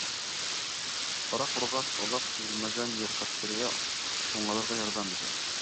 Ҡара ҡурғаш оҙаҡ төҙәлмәгән йәрәхәттәргә уңалырға ярҙам итә.